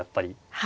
はい。